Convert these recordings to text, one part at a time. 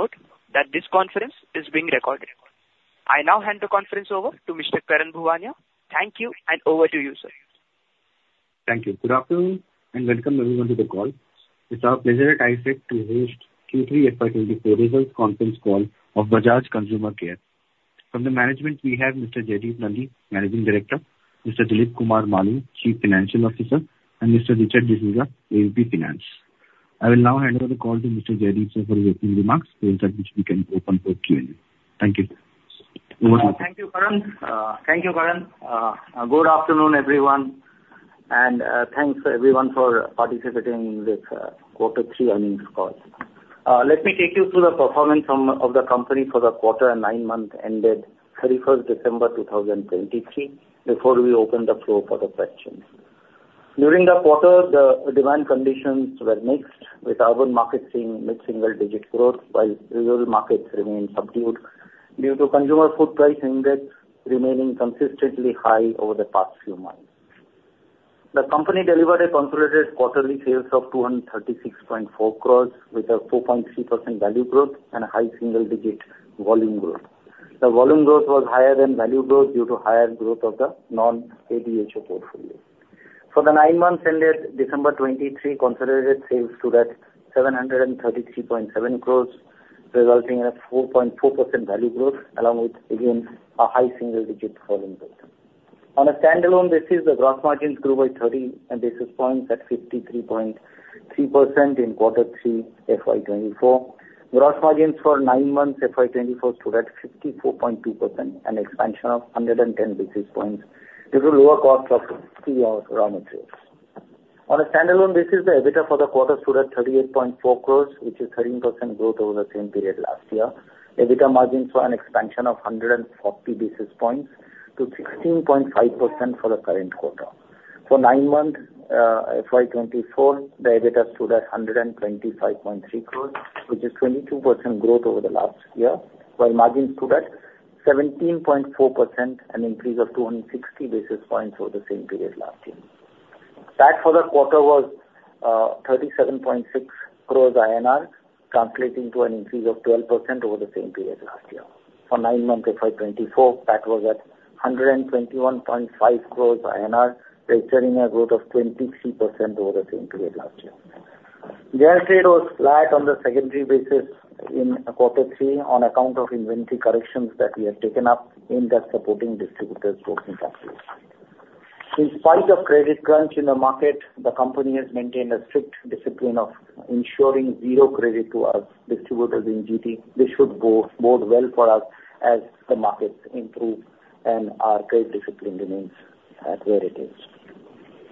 Please note that this conference is being recorded. I now hand the conference over to Mr. Karan Bhuwania. Thank you, and over to you, sir. Thank you. Good afternoon, and welcome everyone to the call. It's our pleasure at ICICI to host Q3 FY24 results conference call of Bajaj Consumer Care. From the management, we have Mr. Jaideep Nandi, Managing Director, Mr. Dilip Kumar Maloo, Chief Financial Officer, and Mr. Richard D'Souza, AVP Finance. I will now hand over the call to Mr. Jaideep sir for his opening remarks, after which we can open for Q&A. Thank you. Thank you, Karan. Thank you, Karan. Good afternoon, everyone, and, thanks everyone for participating in this Q3 earnings call. Let me take you through the performance of the company for the quarter and nine-month ended 31 December 2023, before we open the floor for the questions. During the quarter, the demand conditions were mixed, with urban markets seeing mid-single-digit growth, while rural markets remained subdued due to consumer food price index remaining consistently high over the past few months. The company delivered a consolidated quarterly sales of 236.4 crore, with a 4.3% value growth and a high single-digit volume growth. The volume growth was higher than value growth due to higher growth of the non-ADHO portfolio. For the nine months ended December 2023, consolidated sales stood at 733.7 crores, resulting in a 4.4% value growth, along with again, a high single digit volume growth. On a standalone basis, the gross margins grew by 30 basis points at 53.3% in Q3, FY 2024. Gross margins for nine months, FY 2024, stood at 54.2%, an expansion of 110 basis points due to lower cost of key raw materials. On a standalone basis, the EBITDA for the quarter stood at 38.4 crores, which is 13% growth over the same period last year. EBITDA margins saw an expansion of 140 basis points to 16.5% for the current quarter. For 9 months, FY 2024, the EBITDA stood at 125.3 crores, which is 22% growth over the last year, while margins stood at 17.4%, an increase of 260 basis points over the same period last year. PAT for the quarter was 37.6 crores INR, translating to an increase of 12% over the same period last year. For 9 months, FY 2024, PAT was at 121.5 crores INR, registering a growth of 23% over the same period last year. General trade was flat on the secondary basis in Q3, on account of inventory corrections that we have taken up in the supporting distributor working capital. In spite of credit crunch in the market, the company has maintained a strict discipline of ensuring zero credit to our distributors in GT. This should bode well for us as the markets improve and our credit discipline remains at where it is.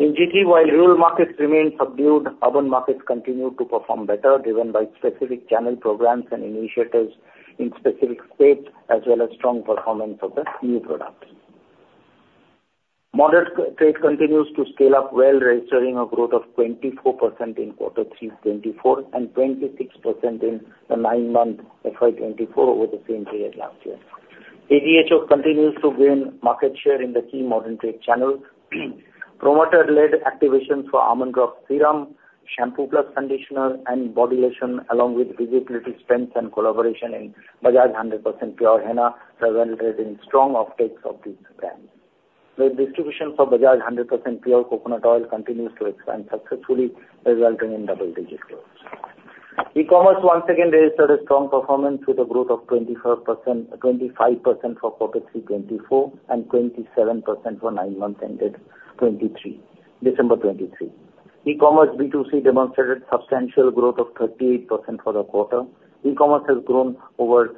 In GT, while rural markets remain subdued, urban markets continue to perform better, driven by specific channel programs and initiatives in specific states, as well as strong performance of the key products. Modern Trade continues to scale up well, registering a growth of 24% in Q3 2024, and 26% in the nine months FY 2024 over the same period last year. ADHO continues to gain market share in the key Modern Trade channels. Promoter-led activations for Almond Drops Serum, Shampoo Plus Conditioner, and Body Lotion, along with visibility strengths and collaboration in Bajaj 100% Pure Henna, has resulted in strong uptakes of these brands. The distribution for Bajaj 100% Pure Coconut Oil continues to expand successfully, resulting in double-digit growth. E-commerce once again registered a strong performance with a growth of 24%-25% for Q3 2024, and 27% for nine months ended 2023, December 2023. E-commerce B2C demonstrated substantial growth of 38% for the quarter. E-commerce has grown over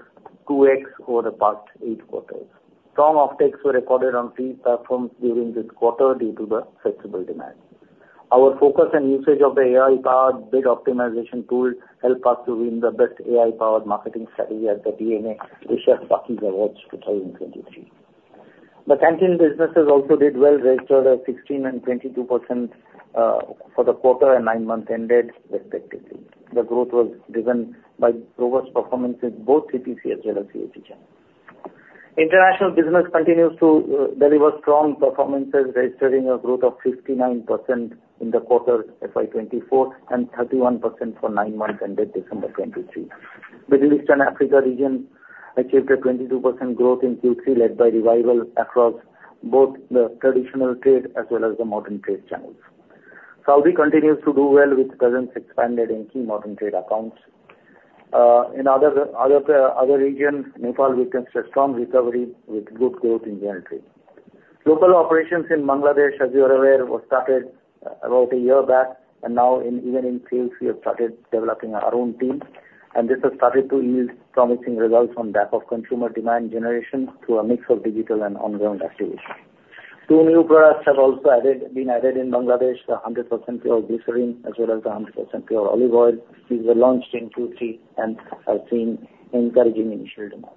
2x over the past 8 quarters. Strong uptakes were recorded on these platforms during this quarter due to the flexible demand. Our focus and usage of the AI-powered bid optimization tool helped us to win the Best AI-Powered Marketing Strategy at the DNA Asia Awards 2023. The canteen businesses also did well, registered at 16% and 22% for the quarter and nine months ended, respectively. The growth was driven by robust performance in both CPC as well as CSD channels. International business continues to deliver strong performances, registering a growth of 59% in the quarter FY 2024, and 31% for nine months ended December 2023. Middle East and Africa region achieved a 22% growth in Q3, led by revival across both the traditional trade as well as the modern trade channels. Saudi continues to do well with presence expanded in key modern trade accounts. In other regions, Nepal witnessed a strong recovery with good growth in general trade. Local operations in Bangladesh, as you are aware, was started about a year back, and now in, even in Q3, we have started developing our own team, and this has started to yield promising results on behalf of consumer demand generation through a mix of digital and on-ground activities. Two new products have also been added in Bangladesh, the 100% Pure Glycerine as well as the 100% Pure Olive Oil. These were launched in Q3 and have seen encouraging initial demand.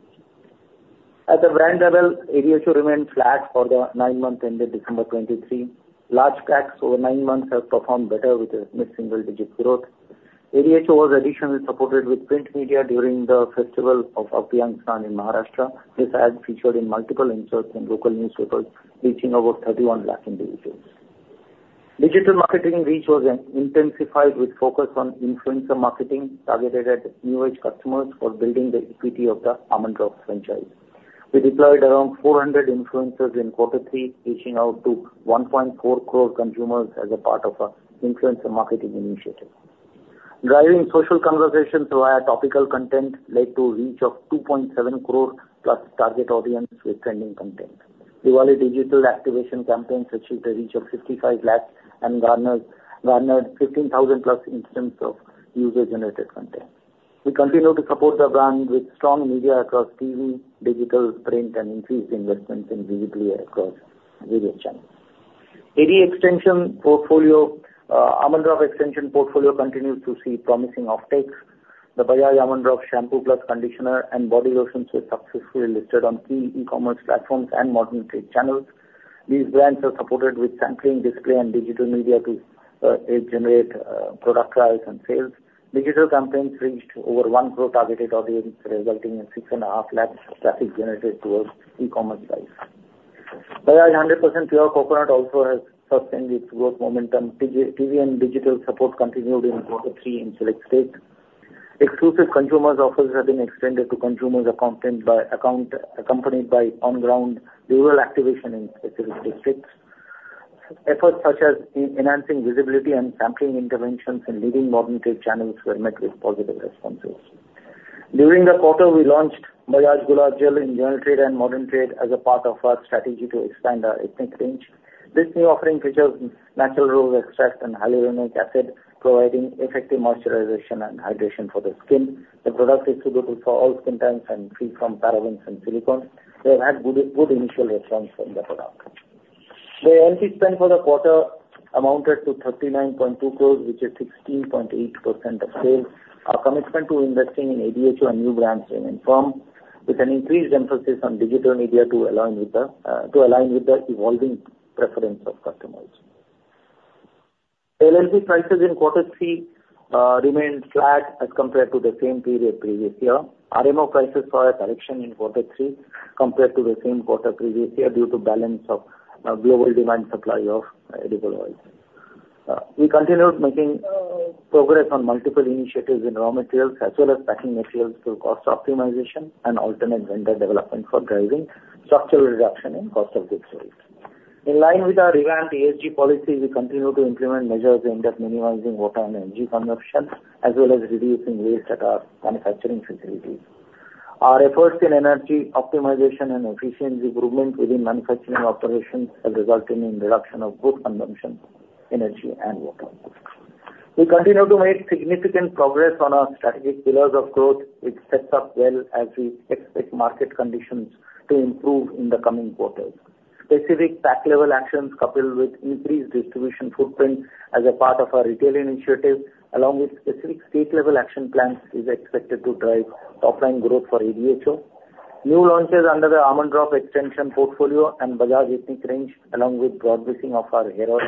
At the brand level, ADHO remained flat for the nine months ended December 2023. Large packs over nine months have performed better with a mid-single-digit growth. ADHO was additionally supported with print media during the festival of Abhyanga Snan in Maharashtra. This ad featured in multiple inserts in local newspapers, reaching over 31 lakh individuals. Digital marketing reach was then intensified with focus on influencer marketing, targeted at new-age customers for building the equity of the Almond Drops franchise. We deployed around 400 influencers in Q3, reaching out to 1.4 crore consumers as a part of our influencer marketing initiative. Driving social conversations via topical content led to a reach of 2.7 crore+ target audience with trending content. Diwali digital activation campaigns achieved a reach of 55 lakhs and garnered 15,000+ instances of user-generated content. We continue to support the brand with strong media across TV, digital, print, and increased investments in visibility across various channels. AD extension portfolio, Almond Drops extension portfolio continues to see promising offtakes. The Bajaj Almond Drops shampoo plus conditioner and body lotions were successfully listed on key e-commerce platforms and modern trade channels. These brands are supported with sampling, display, and digital media to aid generate product trials and sales. Digital campaigns reached over 1 crore targeted audience, resulting in 6.5 lakhs traffic generated towards e-commerce sites. Bajaj 100% Pure Coconut Oil also has sustained its growth momentum. TV and digital support continued in Q3 in select states. Exclusive consumer offers have been extended to consumers accompanied by on-ground rural activation in specific districts. Efforts such as enhancing visibility and sampling interventions in leading modern trade channels were met with positive responses. During the quarter, we launched Bajaj Gulab Jal in general trade and modern trade as a part of our strategy to expand our ethnic range. This new offering features natural rose extract and hyaluronic acid, providing effective moisturization and hydration for the skin. The product is suitable for all skin types and free from parabens and silicone. We have had good, good initial response from the product. The ad spend for the quarter amounted to 39.2 crores, which is 16.8% of sales. Our commitment to investing in ADHO and new brands remain firm, with an increased emphasis on digital media to align with the evolving preferences of customers. LLP prices in Q3 remained flat as compared to the same period previous year. RMO prices saw a correction in Q3 compared to the same quarter previous year, due to balance of global demand supply of edible oils. We continued making progress on multiple initiatives in raw materials, as well as packing materials through cost optimization and alternate vendor development for driving structural reduction in cost of goods sold. In line with our revamped ESG policy, we continue to implement measures aimed at minimizing water and energy consumption, as well as reducing waste at our manufacturing facilities. Our efforts in energy optimization and efficiency improvement within manufacturing operations are resulting in reduction of both consumption, energy and water. We continue to make significant progress on our strategic pillars of growth, which sets up well as we expect market conditions to improve in the coming quarters. Specific pack-level actions, coupled with increased distribution footprint as a part of our retail initiative, along with specific state-level action plans, is expected to drive offline growth for ADHO. New launches under the Almond Drops extension portfolio and Bajaj ethnic range, along with broad-basing of our Hero,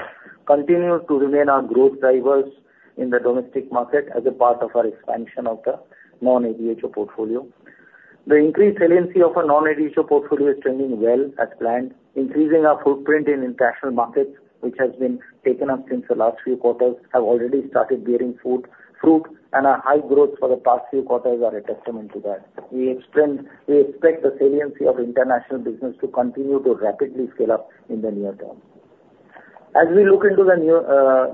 continue to remain our growth drivers in the domestic market as a part of our expansion of the non-ADHO portfolio. The increased saliency of our non-ADHO portfolio is trending well as planned, increasing our footprint in international markets, which has been taken up since the last few quarters, have already started bearing fruit, and our high growth for the past few quarters are a testament to that. We expect the saliency of international business to continue to rapidly scale up in the near term. As we look into the near,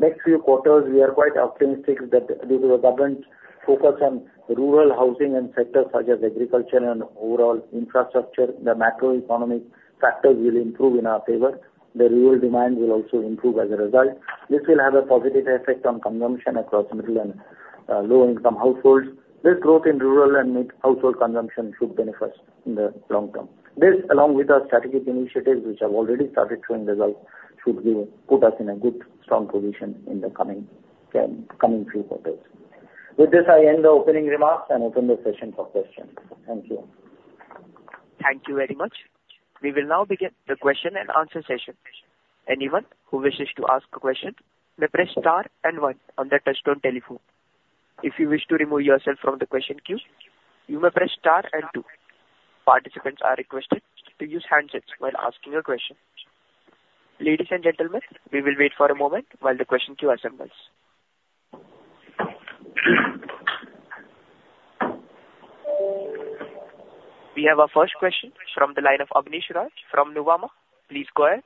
next few quarters, we are quite optimistic that due to the government's focus on rural housing and sectors such as agriculture and overall infrastructure, the macroeconomic factors will improve in our favor. The rural demand will also improve as a result. This will have a positive effect on consumption across middle and, low-income households. This growth in rural and household consumption should benefit us in the long term. This, along with our strategic initiatives, which have already started showing results, should put us in a good, strong position in the coming few quarters. With this, I end the opening remarks and open the session for questions. Thank you. Thank you very much. We will now begin the question and answer session. Anyone who wishes to ask a question may press star and one on their touchtone telephone. If you wish to remove yourself from the question queue, you may press star and two. Participants are requested to use handsets when asking a question. Ladies and gentlemen, we will wait for a moment while the question queue assembles. We have our first question from the line of Abneesh Roy from Nuvama. Please go ahead.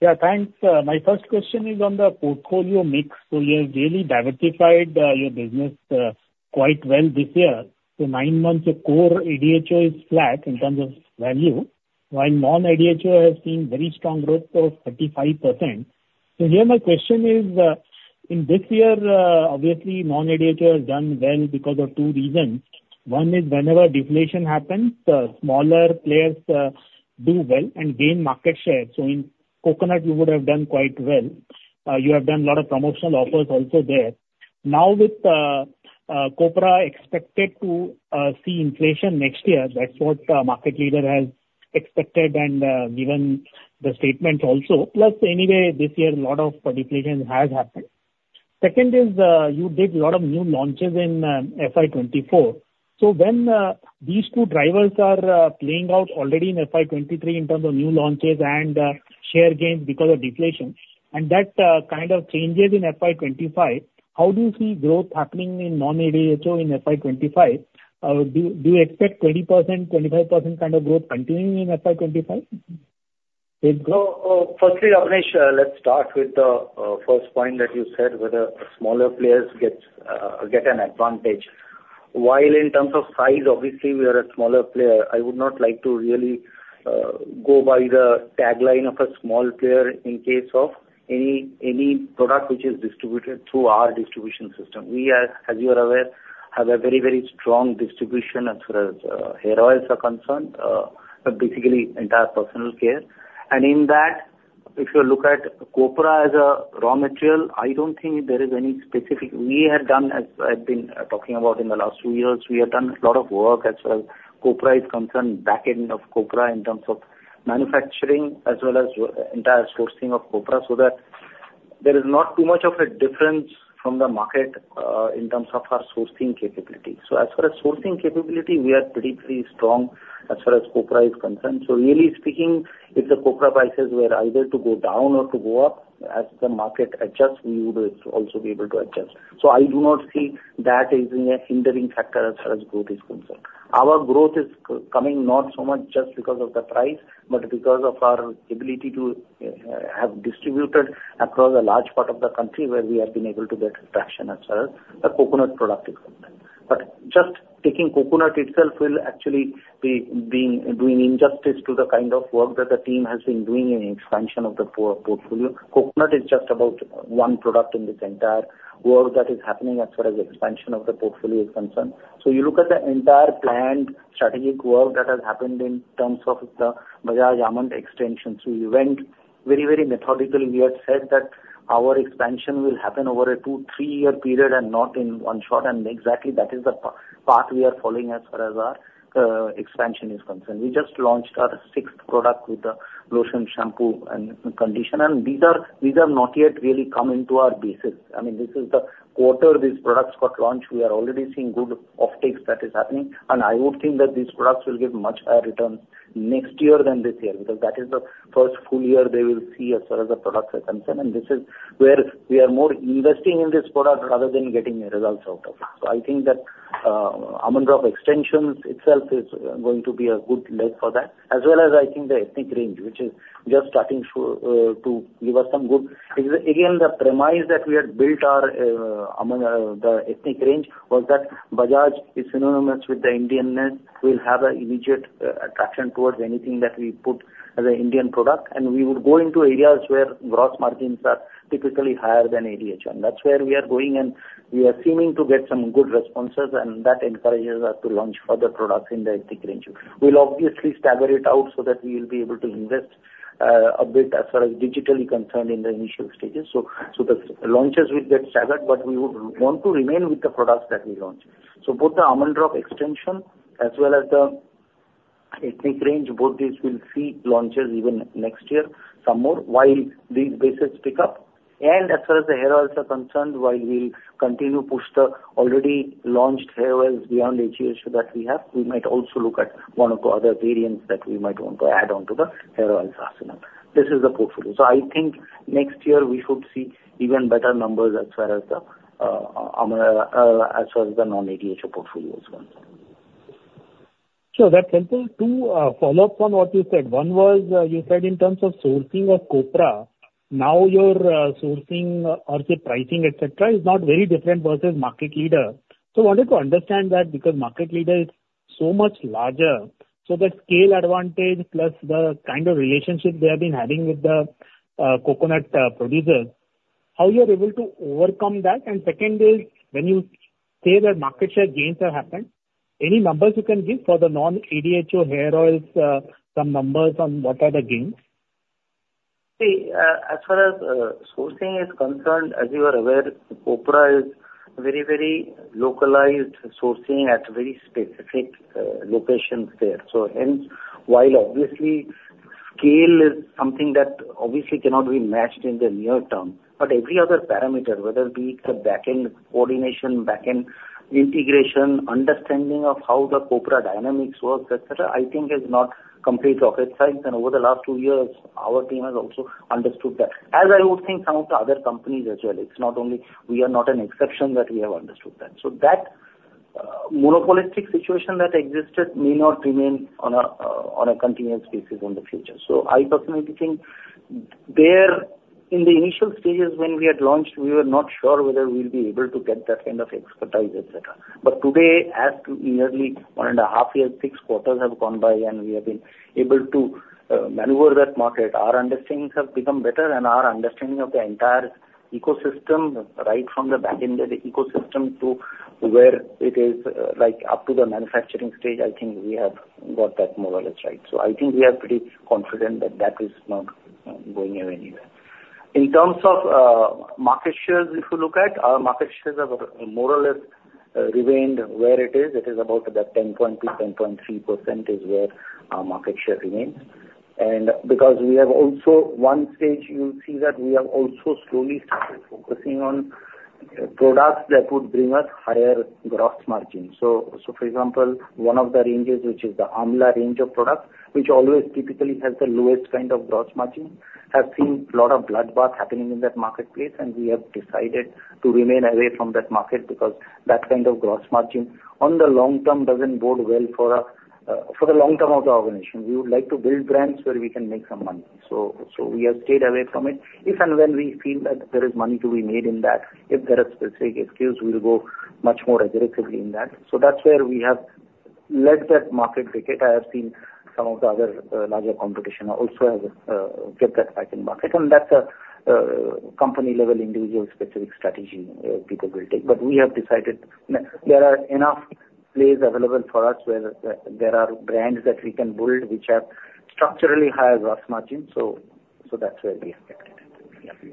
Yeah, thanks. My first question is on the portfolio mix. So you have really diversified your business quite well this year. So nine months of core ADHO is flat in terms of value, while non-ADHO has seen very strong growth of 35%. So here my question is, in this year, obviously non-ADHO has done well because of two reasons. One is whenever deflation happens, smaller players do well and gain market share. So in coconut, you would have done quite well. You have done a lot of promotional offers also there. Now, with copra expected to see inflation next year, that's what the market leader has expected and given the statements also. Plus, anyway, this year a lot of deflation has happened. Second is, you did a lot of new launches in FY 2024. So when these two drivers are playing out already in FY 2023 in terms of new launches and share gains because of deflation, and that kind of changes in FY 2025, how do you see growth happening in non-ADHO in FY 2025? Do you expect 20%, 25% kind of growth continuing in FY 2025? So, firstly, Abneesh, let's start with the first point that you said whether smaller players gets get an advantage. While in terms of size, obviously, we are a smaller player, I would not like to really go by the tagline of a small player in case of any any product which is distributed through our distribution system. We are, as you are aware, have a very very strong distribution as far as hair oils are concerned, but basically entire personal care. And in that, if you look at copra as a raw material, I don't think there is any specific... We have done, as I've been talking about in the last two years, we have done a lot of work as far as copra is concerned, back end of copra in terms of manufacturing as well as entire sourcing of copra, so that there is not too much of a difference from the market in terms of our sourcing capability. So as far as sourcing capability, we are pretty, pretty strong as far as copra is concerned. So really speaking, if the copra prices were either to go down or to go up, as the market adjusts, we would also be able to adjust. So I do not see that as being a hindering factor as far as growth is concerned. Our growth is coming not so much just because of the price, but because of our ability to have distributed across a large part of the country where we have been able to get traction as far as the coconut product is concerned. But just taking coconut itself will actually be doing injustice to the kind of work that the team has been doing in expansion of the portfolio. Coconut is just about one product in this entire world that is happening as far as expansion of the portfolio is concerned. So you look at the entire planned strategic work that has happened in terms of the Bajaj Almond extensions. We went very, very methodical. We have said that our expansion will happen over a 2-3-year period and not in one shot, and exactly that is the path we are following as far as our expansion is concerned. We just launched our sixth product with the lotion, shampoo, and conditioner. And these are, these are not yet really come into our bases. I mean, this is the quarter these products got launched. We are already seeing good offtakes that is happening, and I would think that these products will give much higher returns next year than this year, because that is the first full year they will see as far as the products are concerned. And this is where we are more investing in this product rather than getting the results out of it. So I think that Almond Drops extensions itself is going to be a good leg for that, as well as I think the ethnic range, which is just starting to give us some good.... Again, the premise that we had built the ethnic range was that Bajaj is synonymous with the Indian-ness, will have an immediate attraction towards anything that we put as an Indian product. And we would go into areas where gross margins are typically higher than ADHO, and that's where we are going, and we are seeming to get some good responses, and that encourages us to launch further products in the ethnic range. We'll obviously stagger it out so that we will be able to invest a bit as far as digitally concerned in the initial stages. So, the launches will get staggered, but we would want to remain with the products that we launch. So both the Almond Drops extension as well as the ethnic range, both these will see launches even next year, some more, while these bases pick up. And as far as the hair oils are concerned, while we'll continue to push the already launched hair oils beyond HSU that we have, we might also look at one or two other variants that we might want to add on to the hair oils arsenal. This is the portfolio. So I think next year we should see even better numbers as far as the non-ADHO portfolio is concerned. Sure, that's helpful. Two follow-ups on what you said. One was, you said in terms of sourcing of copra, now your, sourcing or say pricing, et cetera, is not very different versus market leader. So I wanted to understand that, because market leader is so much larger, so the scale advantage plus the kind of relationship they have been having with the, coconut, producers, how you are able to overcome that? And second is, when you say that market share gains have happened, any numbers you can give for the non-ADHO hair oils, some numbers on what are the gains? See, as far as sourcing is concerned, as you are aware, copra is very, very localized sourcing at very specific locations there. So hence, while obviously scale is something that obviously cannot be matched in the near term, but every other parameter, whether it be the back-end coordination, back-end integration, understanding of how the copra dynamics work, et cetera, I think is not completely off its sides. And over the last two years, our team has also understood that, as I would think some of the other companies as well. It's not only... We are not an exception that we have understood that. So that monopolistic situation that existed may not remain on a continuous basis in the future. So I personally think there, in the initial stages when we had launched, we were not sure whether we'll be able to get that kind of expertise, et cetera. But today, as to nearly 1.5 years, six quarters have gone by and we have been able to maneuver that market. Our understandings have become better, and our understanding of the entire ecosystem, right from the back-end of the ecosystem to where it is like up to the manufacturing stage, I think we have got that more or less right. So I think we are pretty confident that that is not going away anywhere. In terms of market shares, if you look at, our market shares have more or less remained where it is. It is about that 10%-10.3% is where our market share remains. And because we have also at one stage, you will see that we have also slowly started focusing on products that would bring us higher gross margin. So, so for example, one of the ranges, which is the Amla range of products, which always typically has the lowest kind of gross margin, has seen a lot of bloodbath happening in that marketplace, and we have decided to remain away from that market because that kind of gross margin on the long term doesn't bode well for the long term of the organization. We would like to build brands where we can make some money. So, so we have stayed away from it. If and when we feel that there is money to be made in that, if there are specific SKUs, we will go much more aggressively in that. So that's where we have left that market intact. I have seen some of the other, larger competition also has, get that back in market, and that's a, company-level, individual-specific strategy, people will take. But we have decided there are enough plays available for us, where there are brands that we can build, which have structurally higher gross margins, so, so that's where we have kept it. Yeah.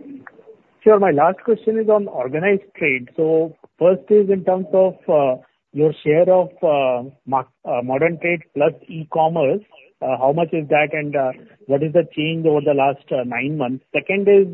Sure. My last question is on organized trade. So first is in terms of, your share of, Modern Trade plus e-commerce, how much is that and, what is the change over the last, nine months? Second is,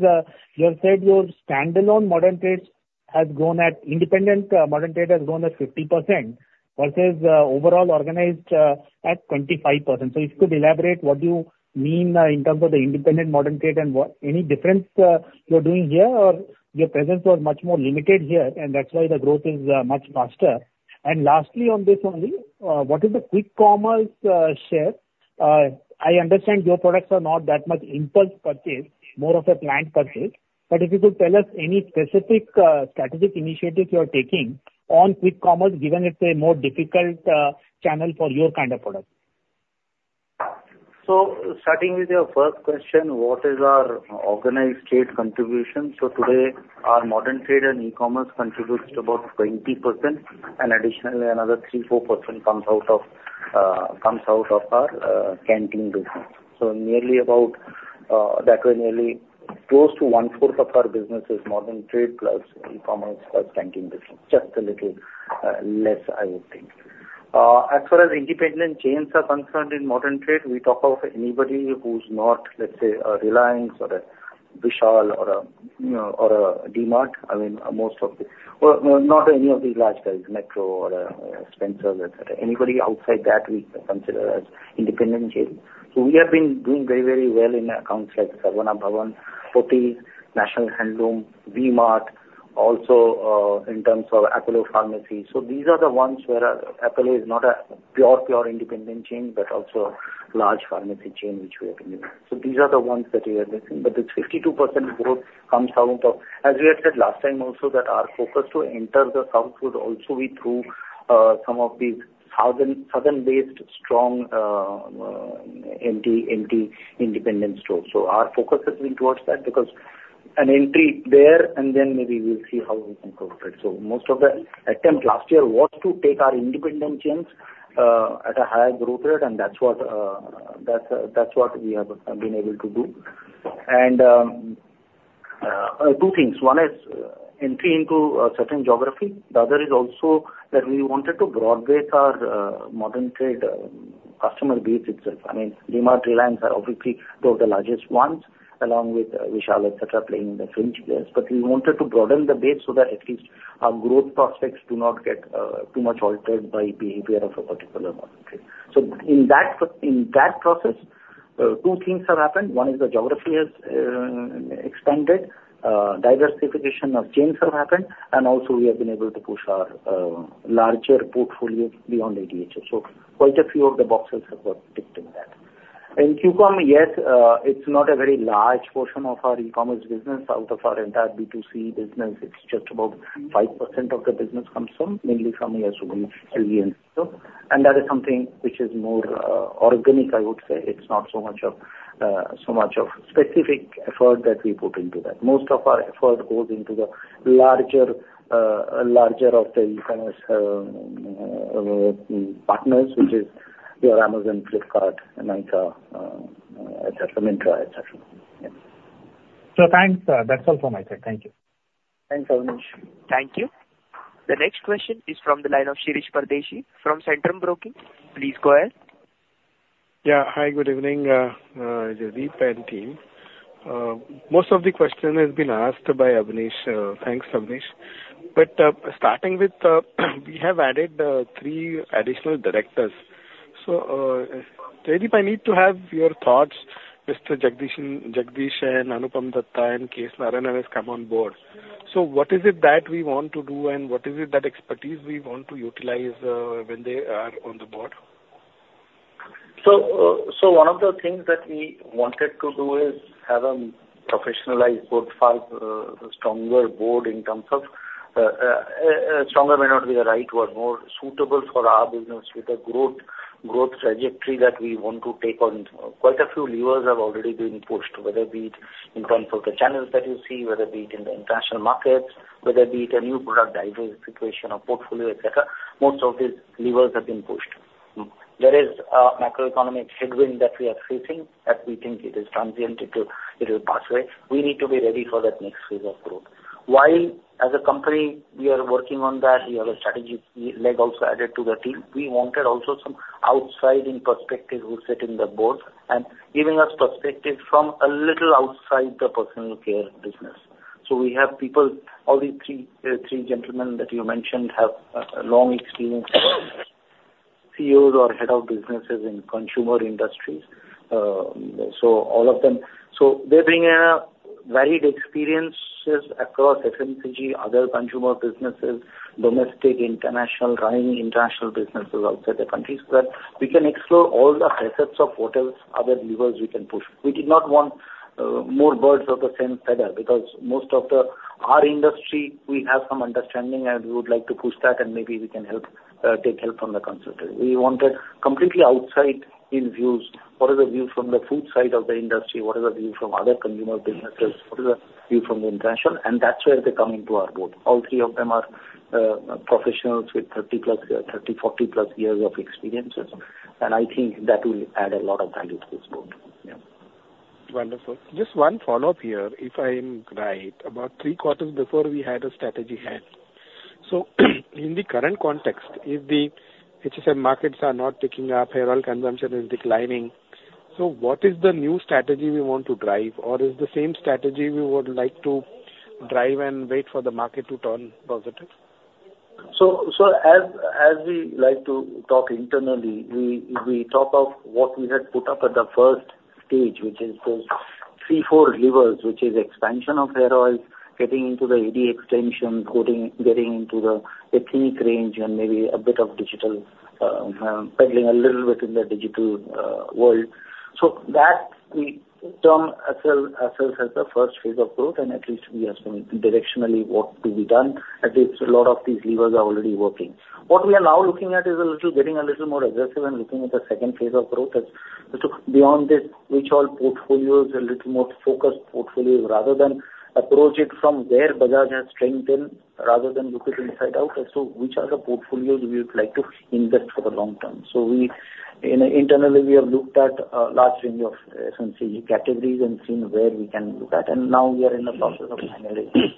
you have said your standalone Modern Trade has grown at—independent Modern Trade has grown at 50% versus, overall organized, at 25%. So if you could elaborate, what do you mean, in terms of the independent Modern Trade and what any difference, you're doing here, or your presence was much more limited here, and that's why the growth is, much faster? And lastly, on this only, what is the Quick Commerce, share? I understand your products are not that much impulse purchase, more of a planned purchase, but if you could tell us any specific strategic initiative you are taking on quick commerce, given it's a more difficult channel for your kind of product? So starting with your first question, what is our organized trade contribution? So today, our modern trade and e-commerce contributes about 20%, and additionally another 3%-4% comes out of our canteen business. So nearly about that way, nearly close to one-fourth of our business is modern trade, plus e-commerce, plus canteen business, just a little less, I would think. As far as independent chains are concerned, in modern trade, we talk of anybody who's not, let's say, a Reliance or a Vishal or a, you know, or a DMart. I mean, most of the... Well, not any of these large guys, Metro or Spencer, et cetera. Anybody outside that we consider as independent chain. So we have been doing very, very well in accounts like Saravana Stores, Pothys, National Handloom, V-Mart, also in terms of Apollo Pharmacy. So these are the ones where our Apollo is not a pure independent chain, but also a large pharmacy chain which we are doing. So these are the ones that we are looking, but the 52% growth comes out of... As we had said last time also, that our focus to enter the South would also be through some of these southern, southern-based, strong MT independent stores. So our focus has been towards that, because an entry there, and then maybe we'll see how we can cover it. So most of the attempt last year was to take our independent chains at a higher growth rate, and that's what we have been able to do. And two things. One is entry into a certain geography. The other is also that we wanted to broad base our, modern trade, customer base itself. I mean, DMart, Reliance are obviously two of the largest ones, along with Vishal, et cetera, playing in the fringe players. But we wanted to broaden the base so that at least our growth prospects do not get, too much altered by behavior of a particular market. So in that process, two things have happened. One is the geography has, expanded, diversification of chains have happened, and also we have been able to push our, larger portfolio beyond ADHO. So quite a few of the boxes have got ticked in that. In QCom, yes, it's not a very large portion of our e-commerce business. Out of our entire B2C business, it's just about 5% of the business comes from, mainly from Nykaa. And that is something which is more, organic, I would say. It's not so much of, so much of specific effort that we put into that. Most of our effort goes into the larger, larger of the e-commerce, partners, which is your Amazon, Flipkart, Nykaa, et cetera, Myntra, et cetera. Yeah. Thanks. That's all from my side. Thank you. Thanks, Avnish. Thank you. The next question is from the line of Shirish Pardeshi from Centrum Broking. Please go ahead. Yeah. Hi, good evening, Jaideep and team. Most of the question has been asked by Abneesh. Thanks, Abneesh. Starting with, we have added three additional directors. So, Jaideep, I need to have your thoughts. Mr. Jagdish, Jagdish and Anupam Dutta and K. Narayan has come on board. So what is it that we want to do, and what is it that expertise we want to utilize, when they are on the board? So, one of the things that we wanted to do is have a professionalized board, far stronger board in terms of stronger may not be the right word, more suitable for our business with the growth growth trajectory that we want to take on. Quite a few levers have already been pushed, whether be it in terms of the channels that you see, whether be it in the international markets, whether be it a new product diversification or portfolio, et cetera. Most of these levers have been pushed. There is a macroeconomic headwind that we are facing, that we think it is transient, it will pass away. We need to be ready for that next phase of growth. While as a company we are working on that, we have a strategic leg also added to the team, we wanted also some outside in perspective who sit in the board and giving us perspective from a little outside the personal care business... So we have people, all these three, three gentlemen that you mentioned, have long experience, CEOs or head of businesses in consumer industries. So all of them. So they're bringing a varied experiences across FMCG, other consumer businesses, domestic, international, running international businesses outside the country, so that we can explore all the facets of what else other levers we can push. We did not want, more birds of the same feather, because most of the our industry, we have some understanding, and we would like to push that and maybe we can help, take help from the consultant. We wanted completely outside in views. What are the views from the food side of the industry? What are the views from other consumer businesses? What is the view from the international? And that's where they come into our board. All three of them are professionals with 30+, 30, 40+ years of experiences, and I think that will add a lot of value to this board. Yeah. Wonderful. Just one follow-up here. If I'm right, about 3 quarters before, we had a strategy hand. So in the current context, if the HFM markets are not picking up, hair oil consumption is declining, so what is the new strategy we want to drive? Or is the same strategy we would like to drive and wait for the market to turn positive? So, as we like to talk internally, we talk of what we had put up at the first stage, which is those C4 levers, which is expansion of hair oil, getting into the AD extension, getting into the ethnic range and maybe a bit of digital peddling a little bit in the digital world. So that we term as well as the first phase of growth, and at least we are directionally what to be done. At least a lot of these levers are already working. What we are now looking at is getting a little more aggressive and looking at the second phase of growth. As to beyond this, which all portfolios are a little more focused portfolios, rather than approach it from where Bajaj has strengthened, rather than look it inside out. So which are the portfolios we would like to invest for the long term? So we, internally, we have looked at a large range of FMCG categories and seen where we can look at, and now we are in the process of finalizing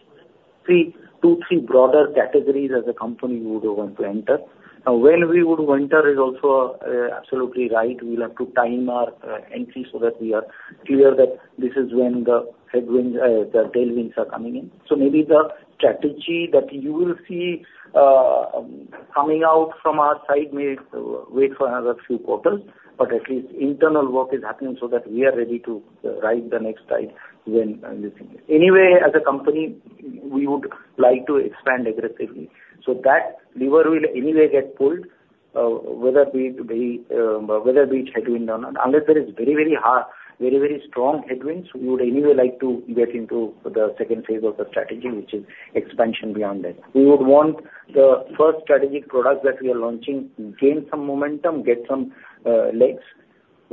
2-3 broader categories as a company we would want to enter. Now, when we would enter is also absolutely right. We'll have to time our entry so that we are clear that this is when the headwinds, the tailwinds are coming in. So maybe the strategy that you will see coming out from our side may wait for another few quarters, but at least internal work is happening so that we are ready to ride the next tide when this... Anyway, as a company, we would like to expand aggressively. So that lever will anyway get pulled, whether we whether it's headwind or not, unless there is very, very high, very, very strong headwinds, we would anyway like to get into the second phase of the strategy, which is expansion beyond that. We would want the first strategic product that we are launching gain some momentum, get some legs,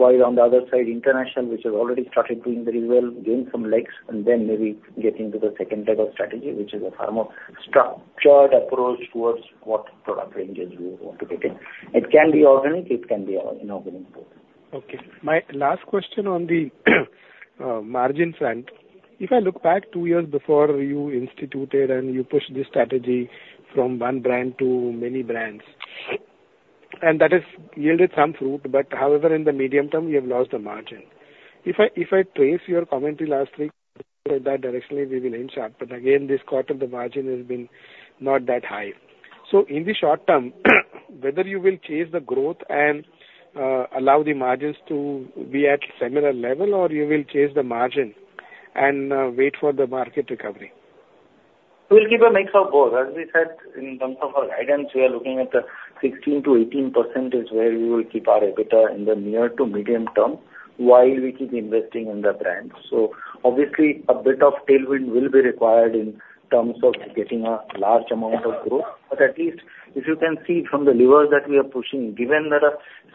while on the other side, international, which has already started doing very well, gain some legs, and then maybe get into the second leg of strategy, which is a form of structured approach towards what product ranges we would want to get in. It can be organic, it can be or inorganic growth. Okay. My last question on the margin front. If I look back two years before you instituted and you pushed this strategy from one brand to many brands, and that has yielded some fruit, but however, in the medium term, you have lost the margin. If I trace your commentary last week, that directionally we will ensure, but again, this quarter the margin has been not that high. So in the short term, whether you will chase the growth and allow the margins to be at similar level, or you will chase the margin and wait for the market recovery? We'll keep a mix of both. As we said, in terms of our guidance, we are looking at the 16%-18% is where we will keep our EBITDA in the near to medium term, while we keep investing in the brands. So obviously, a bit of tailwind will be required in terms of getting a large amount of growth. But at least if you can see from the levers that we are pushing, given that a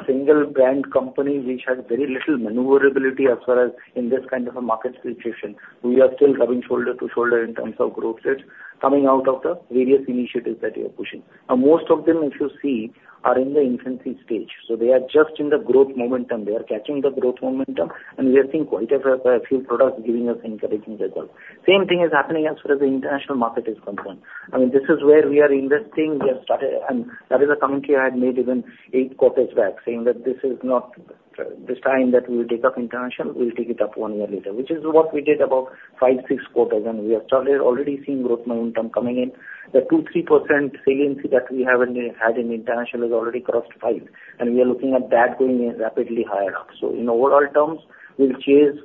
single brand company which has very little maneuverability as far as in this kind of a market situation, we are still rubbing shoulder to shoulder in terms of growth rates coming out of the various initiatives that we are pushing. Now, most of them, if you see, are in the infancy stage. So they are just in the growth momentum. They are catching the growth momentum, and we are seeing quite a few products giving us encouraging results. Same thing is happening as far as the international market is concerned. I mean, this is where we are investing. We have started, and that is a commentary I had made even 8 quarters back, saying that this is not the time that we will take up international. We will take it up 1 year later, which is what we did about 5-6 quarters, and we have started already seeing growth momentum coming in. The 2-3% salience that we had in international has already crossed 5%, and we are looking at that going rapidly higher up. So in overall terms, we'll chase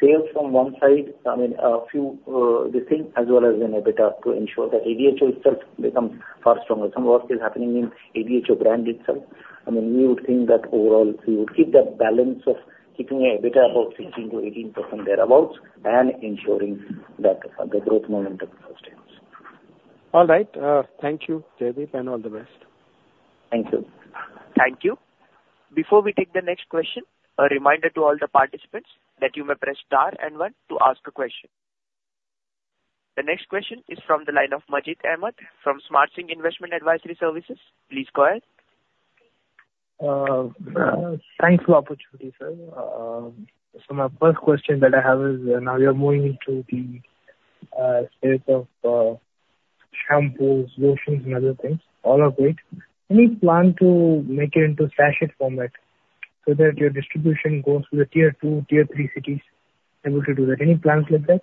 sales from one side, I mean, a few, this thing, as well as in EBITDA, to ensure that ADHO itself becomes far stronger. Some work is happening in ADHO brand itself. I mean, we would think that overall, we would keep the balance of keeping EBITDA about 16%-18% thereabout, and ensuring that the growth momentum sustains. All right. Thank you, Deep, and all the best. Thank you. Thank you. Before we take the next question, a reminder to all the participants that you may press star and one to ask a question. The next question is from the line of Majid Ahamed from Smart Sync Services. Please go ahead. Thanks for the opportunity, sir. So my first question that I have is, now you are moving into the phase of,... shampoos, lotions, and other things, all of it. Any plan to make it into sachet format so that your distribution goes to the tier 2, tier 3 cities, able to do that? Any plans like that?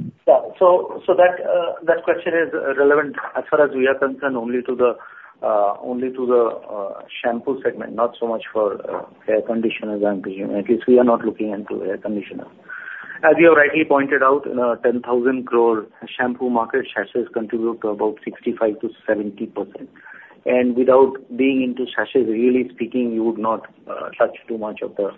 Yeah. So, so that, that question is relevant as far as we are concerned, only to the, only to the, shampoo segment, not so much for, hair conditioners and at least we are not looking into hair conditioner. As you have rightly pointed out, in our 10,000 crore shampoo market, sachets contribute to about 65%-70%. And without being into sachets, really speaking, you would not, touch too much of the,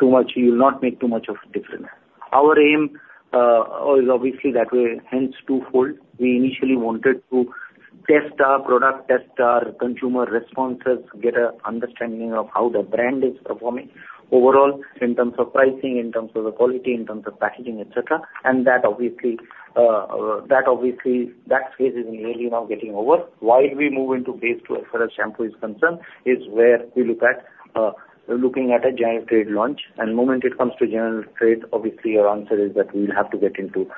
too much - you will not make too much of a difference. Our aim, is obviously that way, hence twofold. We initially wanted to test our product, test our consumer responses, get a understanding of how the brand is performing overall in terms of pricing, in terms of the quality, in terms of packaging, et cetera. And that obviously, that obviously, that phase is really now getting over. While we move into phase two, as far as shampoo is concerned, is where we look at, looking at a General Trade launch. And the moment it comes to General Trade, obviously, your answer is that we will have to get into,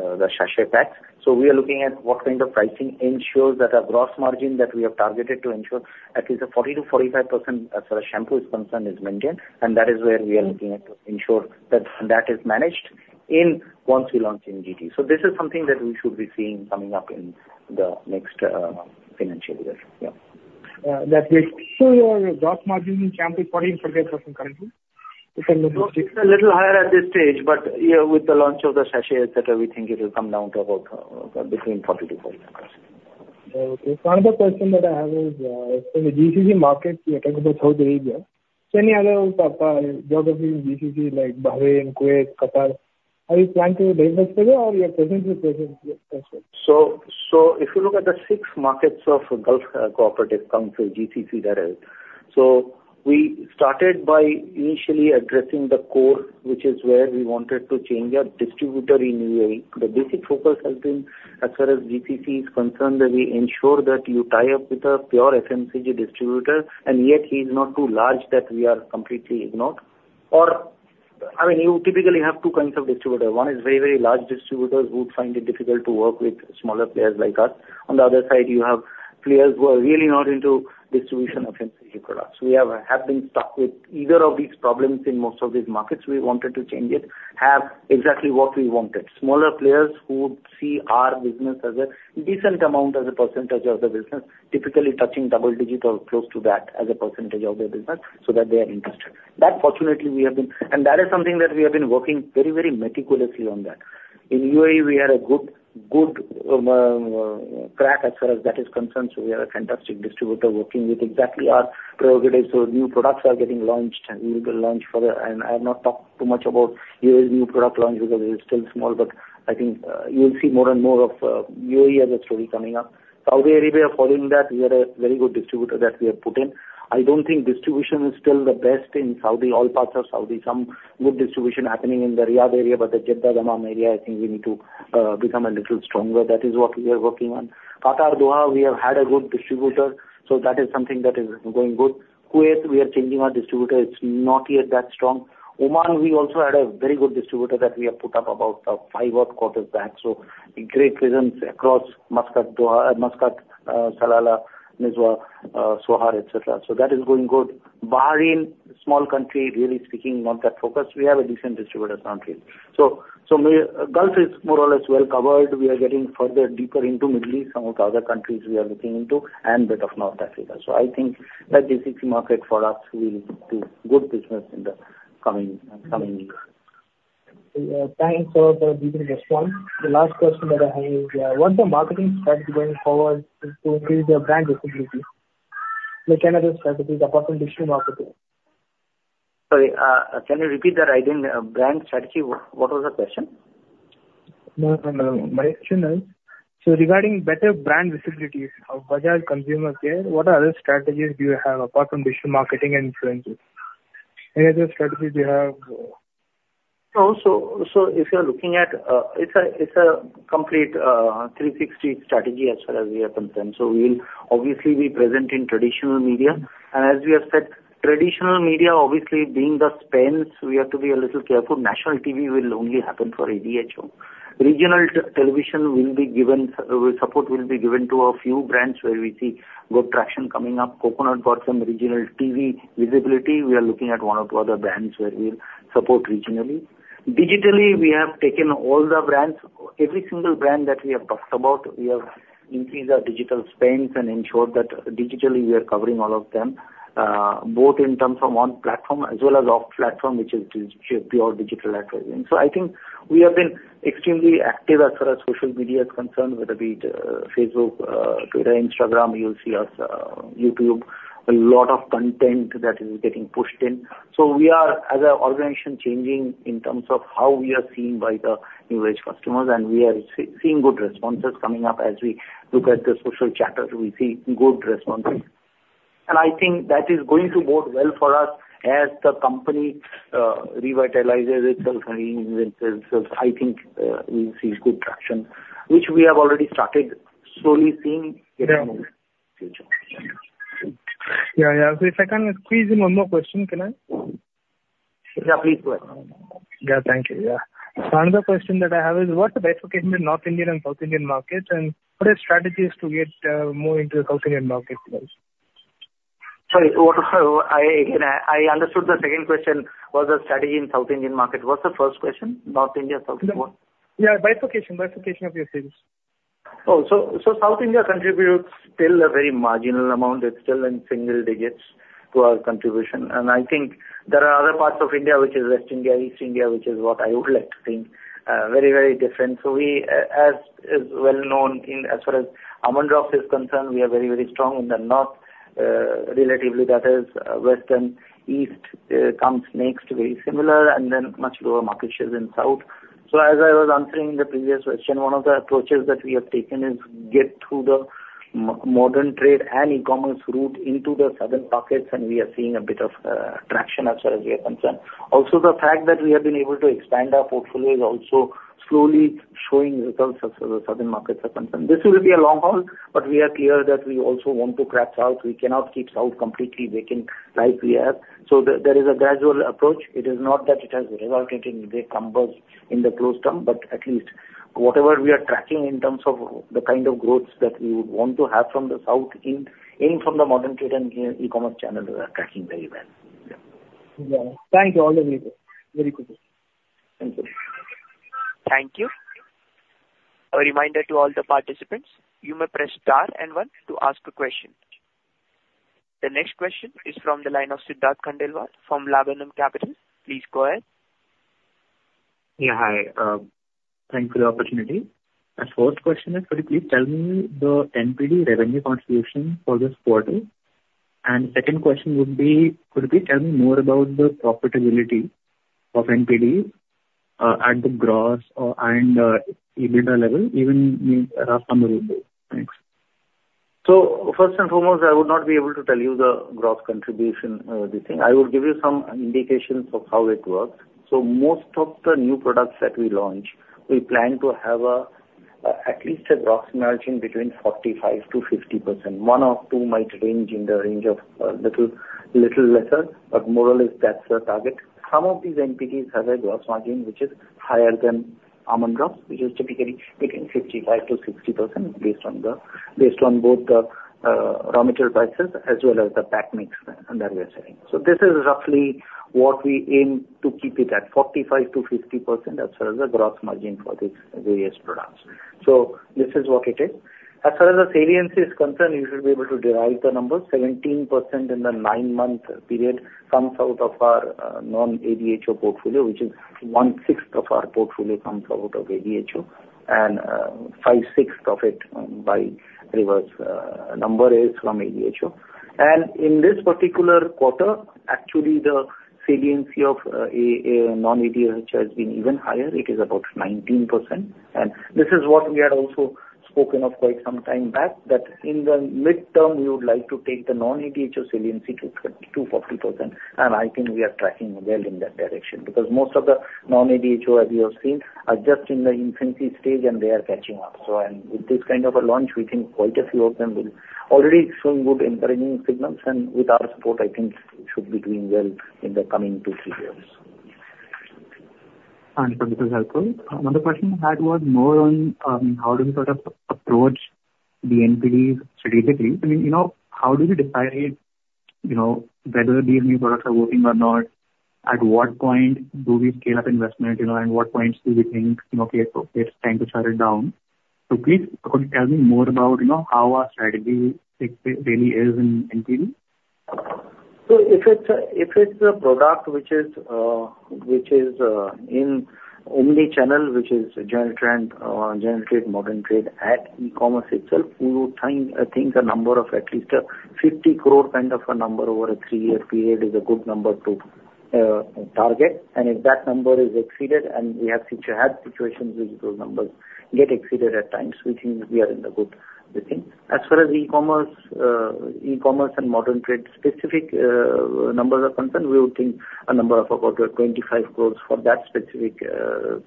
the sachet packs. So we are looking at what kind of pricing ensures that our Gross Margin that we have targeted to ensure at least a 40%-45%, as far as shampoo is concerned, is maintained. And that is where we are looking at to ensure that that is managed in once we launch in GT. So this is something that we should be seeing coming up in the next, financial year. Yeah. That will show your gross margin in shampoo 40% currently? It's a little higher at this stage, but, yeah, with the launch of the sachet, et cetera, we think it will come down to about between 40%-45%. Okay. One other question that I have is, in the GCC market, you in Saudi Arabia. So any other geography in GCC, like Bahrain, Kuwait, Qatar, are you planning to do business there or you're presently present there as well? So if you look at the six markets of Gulf Cooperation Council, GCC, that is. So we started by initially addressing the core, which is where we wanted to change our distributor in UAE. The basic focus has been, as far as GCC is concerned, that we ensure that you tie up with a pure FMCG distributor, and yet he's not too large that we are completely ignored. Or, I mean, you typically have two kinds of distributors. One is very, very large distributors who would find it difficult to work with smaller players like us. On the other side, you have players who are really not into distribution of FMCG products. We have been stuck with either of these problems in most of these markets. We wanted to change it, have exactly what we wanted. Smaller players who would see our business as a decent amount, as a percentage of the business, typically touching double-digit or close to that as a percentage of their business, so that they are interested. That fortunately, we have been. That is something that we have been working very, very meticulously on that. In UAE, we had a good, good, track as far as that is concerned, so we have a fantastic distributor working with exactly our prerogatives. So new products are getting launched, and we will launch further. I have not talked too much about UAE's new product launch because it is still small, but I think, you will see more and more of, UAE as a story coming up. Saudi Arabia, following that, we have a very good distributor that we have put in. I don't think distribution is still the best in Saudi, all parts of Saudi. Some good distribution happening in the Riyadh area, but the Jeddah, Dammam area, I think we need to become a little stronger. That is what we are working on. Qatar, Doha, we have had a good distributor, so that is something that is going good. Kuwait, we are changing our distributor. It's not yet that strong. Oman, we also had a very good distributor that we have put up about five odd quarters back. So great presence across Muscat, Doha, Muscat, Salalah, Nizwa, Sohar, et cetera. So that is going good. Bahrain, small country, really speaking, not that focused. We have a decent distributor currently. So, the Gulf is more or less well covered. We are getting further deeper into Middle East. Some of the other countries we are looking into and a bit of North Africa. So I think that GCC market for us will be good business in the coming years. Yeah, thanks for the detailed response. The last question that I have is, what's the marketing strategy going forward to increase your brand visibility? Like, any other strategies apart from digital marketing? Sorry, can you repeat that again? Brand strategy, what, what was the question? No, no, no. My question is, so regarding better brand visibilities of Bajaj Consumer Care, what other strategies do you have apart from digital marketing and influencers? Any other strategies you have? So if you are looking at, it's a, it's a complete 360 strategy as far as we are concerned. So we'll obviously be present in traditional media. And as we have said, traditional media obviously being the spends, we have to be a little careful. National TV will only happen for ADHO. Regional television will be given support to a few brands where we see good traction coming up. Coconut got some regional TV visibility. We are looking at one or two other brands where we'll support regionally. Digitally, we have taken all the brands. Every single brand that we have talked about, we have increased our digital spends and ensured that digitally we are covering all of them, both in terms of on-platform as well as off-platform, which is pure digital advertising. So I think we have been extremely active as far as social media is concerned, whether it be the Facebook, Twitter, Instagram, you'll see us, YouTube, a lot of content that is getting pushed in. So we are, as an organization, changing in terms of how we are seen by the new age customers, and we are seeing good responses coming up. As we look at the social chatters, we see good responses. And I think that is going to bode well for us as the company revitalizes itself and reinvents itself. I think, we'll see good traction, which we have already started slowly seeing at the moment, future.... Yeah, yeah. So if I can squeeze in one more question, can I? Yeah, please go ahead. Yeah. Thank you. Yeah. So another question that I have is, what's the bifurcation in North Indian and South Indian markets, and what are strategies to get more into the South Indian marketplace? Sorry, what was I again? I understood the second question was the strategy in the South India market. What's the first question? North India, South what? Yeah, bifurcation. Bifurcation of your sales. Oh, so, so South India contributes still a very marginal amount. It's still in single digits to our contribution. And I think there are other parts of India, which is West India, East India, which is what I would like to think, very, very different. So we, as is well known in as far as almond drops is concerned, we are very, very strong in the north. Relatively, that is, western, east, comes next, very similar, and then much lower market shares in south. So as I was answering the previous question, one of the approaches that we have taken is get through the modern trade and e-commerce route into the southern pockets, and we are seeing a bit of, traction as far as we are concerned. Also, the fact that we have been able to expand our portfolio is also slowly showing results as far as the southern markets are concerned. This will be a long haul, but we are clear that we also want to crack South. We cannot keep South completely vacant like we are. There is a gradual approach. It is not that it has resulted in big numbers in the short term, but at least whatever we are tracking in terms of the kind of growth that we would want to have from the South in the modern trade and e-commerce channel, we are tracking very well. Yeah. Yeah. Thank you. All the way, very good. Thank you. Thank you. A reminder to all the participants, you may press star and one to ask a question. The next question is from the line of Siddharth Khandelwal from Laburnum Capital. Please go ahead. Yeah, hi. Thanks for the opportunity. My first question is, could you please tell me the NPD revenue contribution for this quarter? And second question would be, could you please tell me more about the profitability of NPD, at the gross or and, EBITDA level, even roughly will do? Thanks. So first and foremost, I would not be able to tell you the gross contribution, this thing. I will give you some indications of how it works. So most of the new products that we launch, we plan to have a, at least a gross margin between 45%-50%. One or two might range in the range of, little, little lesser, but more or less, that's the target. Some of these NPDs have a gross margin which is higher than Almond Drops, which is typically between 55%-60% based on the, based on both the, raw material prices as well as the pack mix, that we are selling. So this is roughly what we aim to keep it at, 45%-50% as far as the gross margin for these various products. So this is what it is. As far as the saliency is concerned, you should be able to derive the number. 17% in the nine-month period comes out of our non-ADHO portfolio, which is one-sixth of our portfolio, comes out of ADHO, and five-sixth of it by reverse number is from ADHO. And in this particular quarter, actually, the saliency of non-ADHO has been even higher. It is about 19%. And this is what we had also spoken of quite some time back, that in the midterm, we would like to take the non-ADHO saliency to 20%-40%, and I think we are tracking well in that direction. Because most of the non-ADHO, as you have seen, are just in the infancy stage, and they are catching up. So and with this kind of a launch, we think quite a few of them will ... Already showing good encouraging signals, and with our support, I think should be doing well in the coming 2-3 years. This is helpful. Another question I had was more on how do we sort of approach the NPD strategically? I mean, you know, how do we decide, you know, whether these new products are working or not? At what point do we scale up investment, you know, and what points do we think, you know, okay, so it's time to shut it down. Please could you tell me more about, you know, how our strategy fix really is in NPD? So if it's a product which is in omni-channel, which is general trade, modern trade, and e-commerce itself, we would think a number of at least 50 crore, kind of a number over a three-year period is a good number to target. And if that number is exceeded, and we have had situations where those numbers get exceeded at times, which means we are in the good, we think. As far as e-commerce and modern trade specific numbers are concerned, we would think a number of about 25 crores for that specific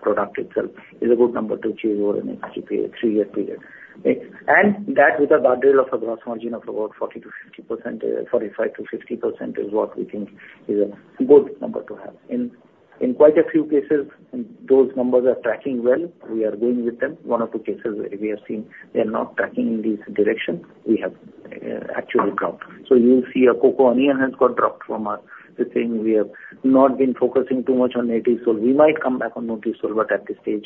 product itself is a good number to achieve over the next three-year period. Okay? And that with a boundary of a Gross Margin of about 40%-50%, 45%-50%, is what we think is a good number to have. In quite a few cases, those numbers are tracking well. We are going with them. One or two cases where we are seeing they are not tracking in this direction, we have actually dropped. So you'll see a coconut has got dropped from our... The thing, we have not been focusing too much on Nativesoul. We might come back on Nativesoul, but at this stage,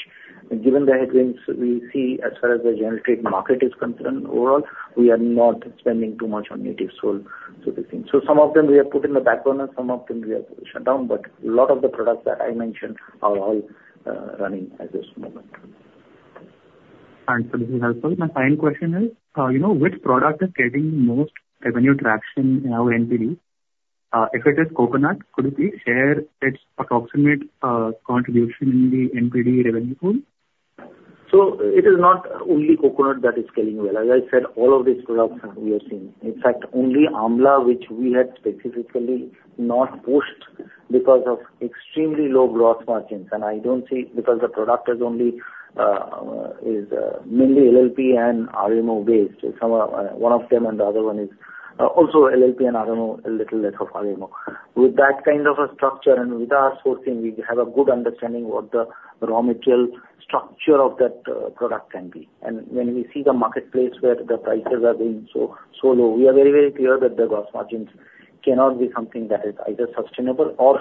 given the headwinds we see as far as the General Trade market is concerned, overall, we are not spending too much on Nativesoul. So some of them we have put in the background and some of them we have shut down, but a lot of the products that I mentioned are all running at this moment. This is helpful. My final question is, you know, which product is getting the most revenue traction in our NPD? If it is coconut, could you please share its approximate contribution in the NPD revenue pool? So it is not only coconut that is selling well. As I said, all of these products we are seeing. In fact, only Amla, which we had specifically not pushed... because of extremely low gross margins, and I don't see, because the product is only mainly LLP and RMO based. Some are one of them, and the other one is also LLP and RMO, a little less of RMO. With that kind of a structure and with our sourcing, we have a good understanding what the raw material structure of that product can be. When we see the marketplace where the prices are being so, so low, we are very, very clear that the gross margins cannot be something that is either sustainable or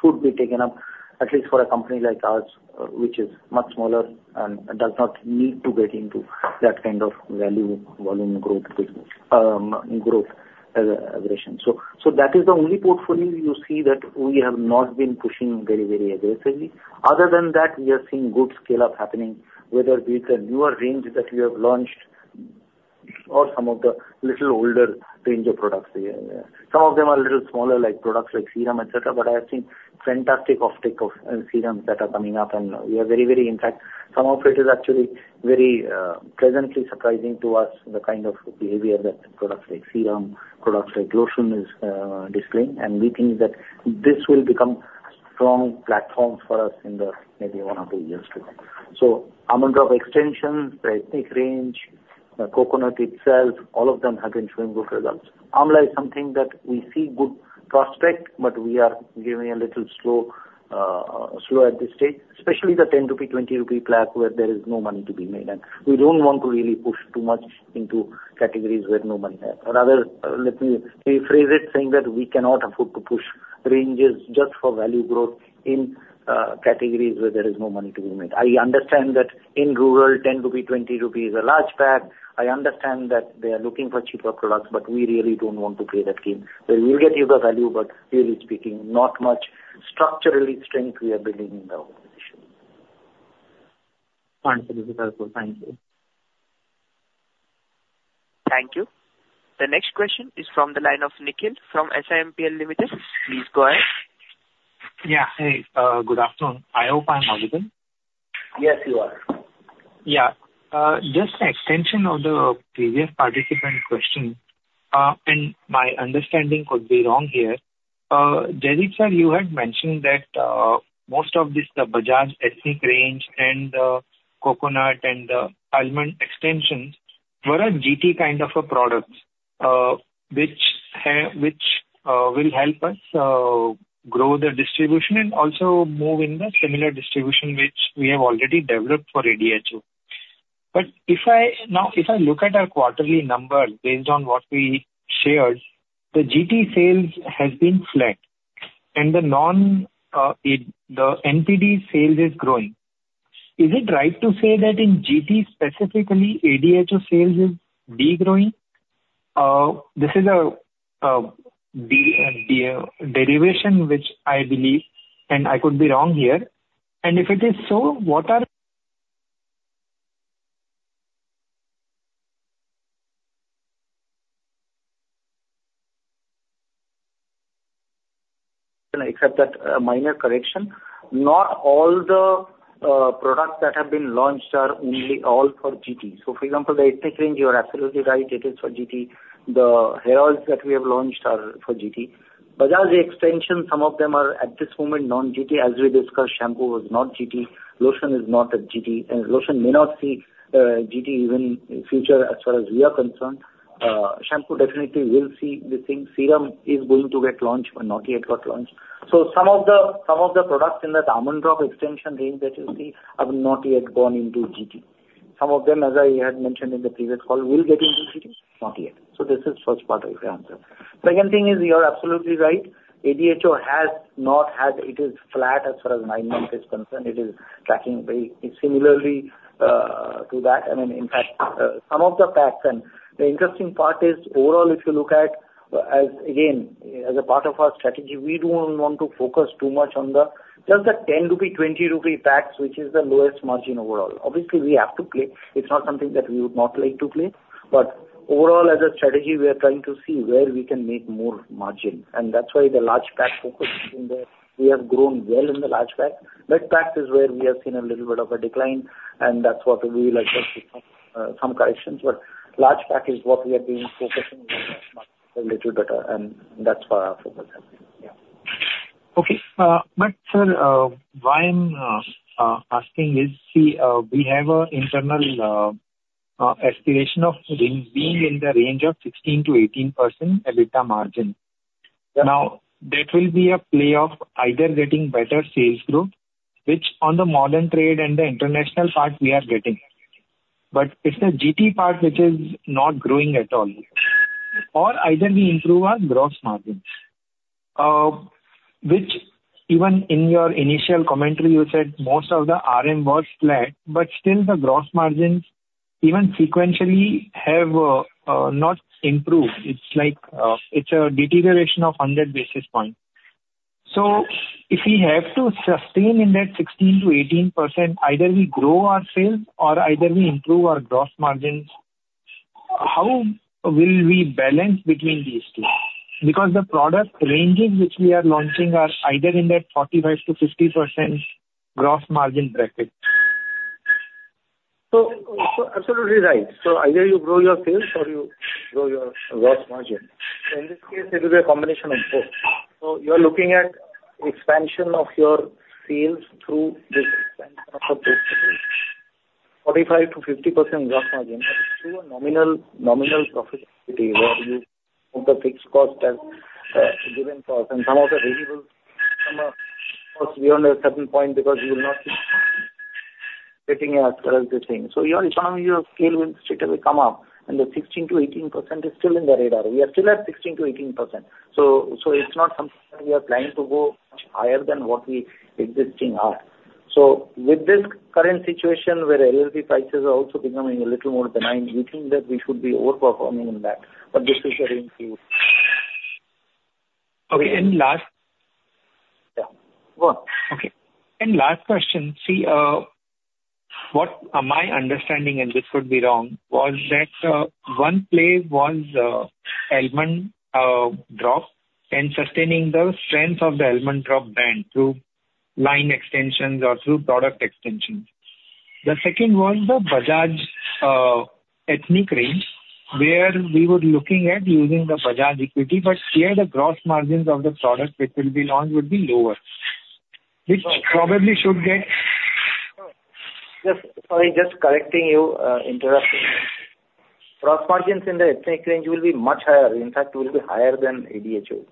should be taken up, at least for a company like ours, which is much smaller and does not need to get into that kind of value, volume growth, growth, aggression. So, so that is the only portfolio you see that we have not been pushing very, very aggressively. Other than that, we are seeing good scale-up happening, whether it is a newer range that we have launched or some of the little older range of products. Some of them are a little smaller, like products like serum, et cetera, but I have seen fantastic offtake of serums that are coming up, and we are very, very in fact, some of it is actually very pleasantly surprising to us, the kind of behavior that products like serum, products like lotion is displaying. And we think that this will become strong platforms for us in the maybe 1 or 2 years to come. So Almond Drops extensions, the ethnic range, the coconut itself, all of them have been showing good results. Amla is something that we see good prospect, but we are giving a little slow, slow at this stage, especially the 10 rupee, 20 rupee pack, where there is no money to be made, and we don't want to really push too much into categories where no money are. Rather, let me rephrase it, saying that we cannot afford to push ranges just for value growth in categories where there is no money to be made. I understand that in rural, 10 rupees, 20 rupees is a large pack. I understand that they are looking for cheaper products, but we really don't want to play that game. Where we will get you the value, but really speaking, not much structural strength we are building in the organization. Understood, sir. Thank you. Thank you. The next question is from the line of Nikhil from SIMPL Limited. Please go ahead. Yeah. Hey, good afternoon. I hope I'm audible. Yes, you are. Yeah. Just an extension of the previous participant question, and my understanding could be wrong here. Jaideep Sir, you had mentioned that most of this, the Bajaj ethnic range and the coconut and the almond extensions were a GT kind of a product, which will help us grow the distribution and also move in the similar distribution which we have already developed for ADHO. But if I now look at our quarterly numbers, based on what we shared, the GT sales has been flat and the non, it, the NPD sales is growing. Is it right to say that in GT, specifically, ADHO sales is degrowing? This is a derivation, which I believe, and I could be wrong here. And if it is so, what are- Can I accept that minor correction? Not all the products that have been launched are only all for GT. So, for example, the ethnic range, you are absolutely right, it is for GT. The herbals that we have launched are for GT. Bajaj extension, some of them are, at this moment, non-GT. As we discussed, shampoo was not GT, lotion is not a GT, and lotion may not see GT even in future, as far as we are concerned. Shampoo definitely will see the thing. Serum is going to get launched, but not yet got launched. So some of the products in the Almond Drops extension range that you see, have not yet gone into GT. Some of them, as I had mentioned in the previous call, will get into GT, not yet. So this is first part of the answer. Second thing is, you are absolutely right. ADHO has not had... It is flat as far as nine months is concerned. It is tracking very similarly, to that. I mean, in fact, some of the packs and the interesting part is, overall, if you look at, as again, as a part of our strategy, we don't want to focus too much on the, just the 10 rupee, 20 rupee packs, which is the lowest margin overall. Obviously, we have to play. It's not something that we would not like to play. But overall, as a strategy, we are trying to see where we can make more margin, and that's why the large pack focus in there. We have grown well in the large pack. Midpack is where we have seen a little bit of a decline, and that's what we would like to some corrections, but large pack is what we have been focusing a little better, and that's where our focus has been. Yeah. Okay, but sir, why I'm asking is, see, we have an internal aspiration of being in the range of 16%-18% EBITDA margin. Now, that will be a play of either getting better sales growth, which on the modern trade and the international part, we are getting. But it's the GT part which is not growing at all. Or either we improve our gross margins, which even in your initial commentary, you said most of the RM was flat, but still the gross margins, even sequentially, have not improved. It's like, it's a deterioration of 100 basis points. So if we have to sustain in that 16%-18%, either we grow our sales or either we improve our gross margins. How will we balance between these two? Because the product ranges which we are launching are either in that 45%-50% Gross Margin bracket.... So, so absolutely right. So either you grow your sales or you grow your gross margin. So in this case, it will be a combination of both. So you are looking at expansion of your sales through this expansion of the book, 45%-50% gross margin, but still a nominal, nominal profitability, where you put the fixed cost as a given cost, and some of the variables, some of costs beyond a certain point, because you will not be getting as far as this thing. So your economy of scale will straightaway come up, and the 16%-18% is still in the radar. We are still at 16%-18%. So, so it's not something that we are planning to go much higher than what we existing are. So with this current situation, where LLP prices are also becoming a little more benign, we think that we should be overperforming in that, but this is inclusive. Okay, and last- Yeah, go on. Okay. And last question. See, what my understanding, and this could be wrong, was that, one play was, Almond Drops and sustaining the strength of the Almond Drops brand through line extensions or through product extensions. The second one, the Bajaj ethnic range, where we were looking at using the Bajaj equity, but here the gross margins of the product which will be launched would be lower, which probably should get- Just sorry, just correcting you, interrupting. Gross margins in the ethnic range will be much higher. In fact, will be higher than ADHO.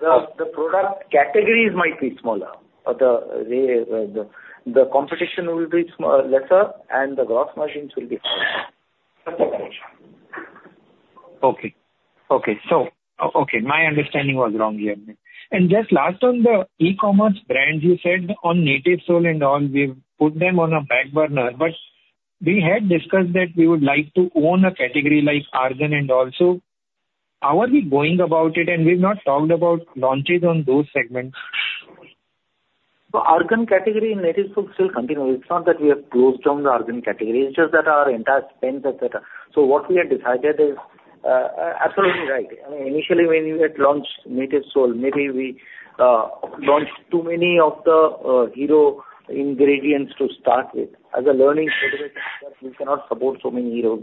The product categories might be smaller, but the competition will be small, lesser, and the gross margins will be higher. Okay. Okay, so okay, my understanding was wrong here. And just last on the e-commerce brands, you said on Nativesoul and all, we've put them on a back burner. But we had discussed that we would like to own a category like Argan and also, how are we going about it? And we've not talked about launches on those segments. So Argan category in Nativesoul still continues. It's not that we have closed down the Argan category, it's just that our entire spends, et cetera. So what we have decided is absolutely right. I mean, initially when we had launched Nativesoul, maybe we launched too many of the hero ingredients to start with. As a learning category, we cannot support so many hero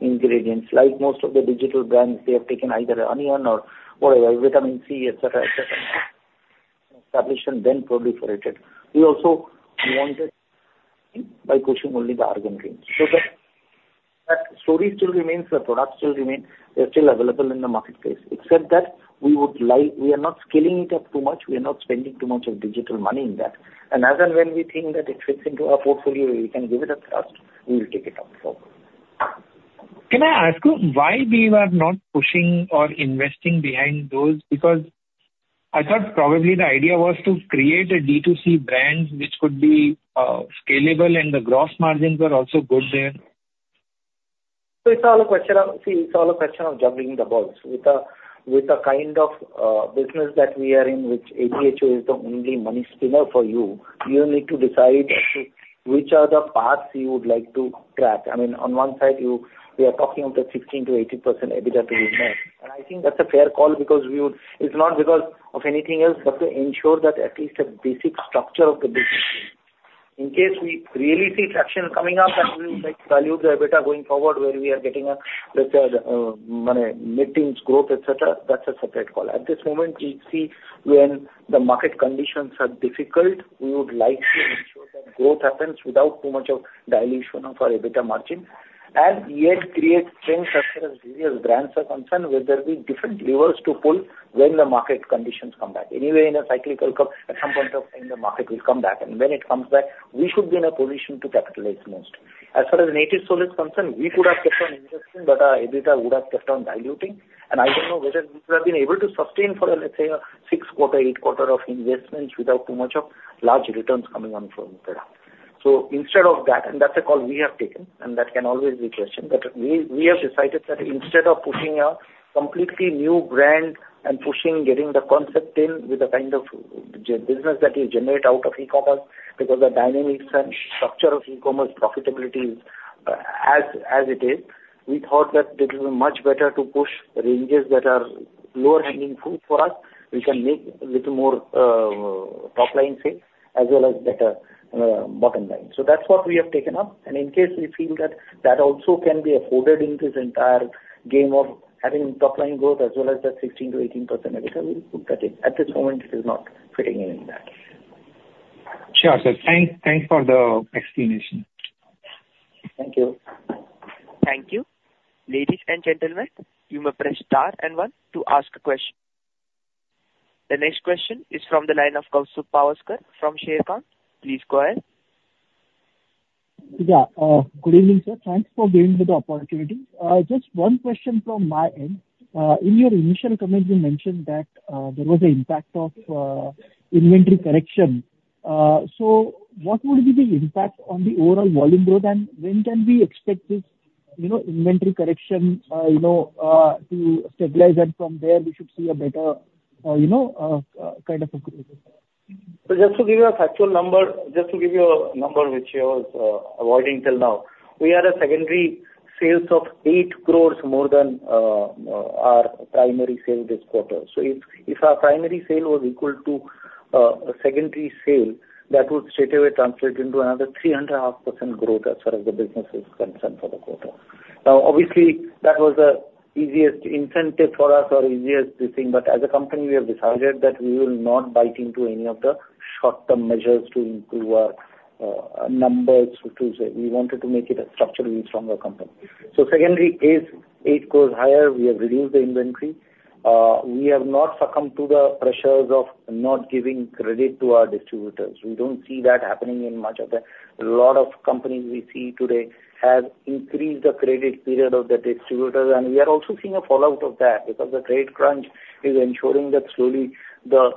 ingredients. Like most of the digital brands, they have taken either onion or vitamin C, et cetera, et cetera, established and then proliferated. We also wanted by pushing only the Argan range. So that story still remains, the product still remain. They're still available in the marketplace, except that we would like... We are not scaling it up too much. We are not spending too much of digital money in that. As and when we think that it fits into our portfolio, we can give it a thrust, we will take it up so. Can I ask you why we were not pushing or investing behind those? Because I thought probably the idea was to create a D2C brand which could be, scalable, and the gross margins were also good there. So it's all a question of—see, it's all a question of juggling the balls. With a kind of business that we are in, which ADHO is the only money spinner for you, you need to decide which are the paths you would like to track. I mean, on one side, you—we are talking of the 16%-18% EBITDA we made. And I think that's a fair call because we would—It's not because of anything else, but to ensure that at least a basic structure of the business. In case we really see traction coming up, and we would like to value the EBITDA going forward, where we are getting a, let's say, mid-teens growth, et cetera, that's a separate call. At this moment, we see when the market conditions are difficult, we would like to ensure that growth happens without too much of dilution of our EBITDA margin, and yet create strength as far as various brands are concerned, where there'll be different levers to pull when the market conditions come back. Anyway, in a cyclical curve, at some point of time, the market will come back. And when it comes back, we should be in a position to capitalize most. As far as Nativesoul is concerned, we could have kept on investing, but our EBITDA would have kept on diluting. And I don't know whether we would have been able to sustain for, let's say, a 6 quarter, 8 quarter of investments without too much of large returns coming on from there. So instead of that, and that's a call we have taken, and that can always be questioned. But we, we have decided that instead of pushing a completely new brand and pushing, getting the concept in with the kind of business that you generate out of e-commerce, because the dynamics and structure of e-commerce profitability is, as it is, we thought that it will be much better to push ranges that are lower hanging fruit for us. We can make a little more, top line sales as well as better, bottom line. So that's what we have taken up, and in case we feel that that also can be afforded into the entire game of having top line growth as well as the 16%-18% EBITDA, we will put that in. At this moment, it is not fitting in that. Sure, sir. Thanks for the explanation. Thank you. Thank you. Ladies and gentlemen, you may press Star and One to ask a question. The next question is from the line of Kaustubh Pawaskar from Sharekhan. Please go ahead. Yeah. Good evening, sir. Thanks for giving me the opportunity. Just one question from my end. In your initial comments, you mentioned that there was an impact of inventory correction. So what would be the impact on the overall volume growth, and when can we expect this, you know, inventory correction, you know, to stabilize, and from there, we should see a better, you know, kind of improvement? So just to give you a factual number, just to give you a number which I was avoiding till now, we had secondary sales of 8 crore more than our primary sale this quarter. So if our primary sale was equal to a secondary sale, that would straightaway translate into another 3.5% growth as far as the business is concerned for the quarter. Now, obviously, that was the easiest incentive for us or easiest thing, but as a company, we have decided that we will not bite into any of the short-term measures to improve our numbers, to say we wanted to make it a structurally stronger company. So secondly, if it goes higher, we have reduced the inventory. We have not succumbed to the pressures of not giving credit to our distributors. We don't see that happening in much of the. A lot of companies we see today have increased the credit period of the distributors, and we are also seeing a fallout of that, because the trade crunch is ensuring that slowly the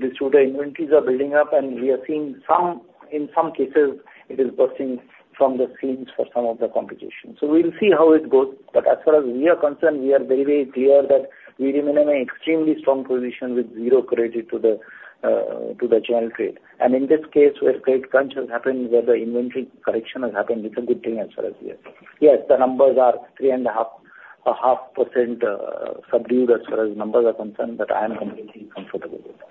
distributor inventories are building up, and we are seeing some, in some cases, it is bursting from the seams for some of the competition. So we'll see how it goes, but as far as we are concerned, we are very, very clear that we remain in an extremely strong position with zero credit to the General Trade. In this case, where trade crunch has happened, where the inventory correction has happened, it's a good thing as far as we are concerned. Yes, the numbers are 3.5%, subdued as far as numbers are concerned, but I am completely comfortable with that.